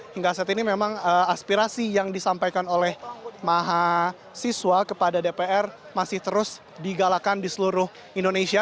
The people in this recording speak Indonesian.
hingga saat ini memang aspirasi yang disampaikan oleh mahasiswa kepada dpr masih terus digalakan di seluruh indonesia